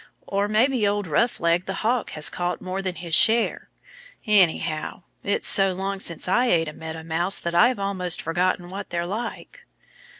Or maybe old Rough leg, the Hawk, has caught more than his share. Anyhow, it's so long since I ate a Meadow Mouse that I've almost forgotten what they're like."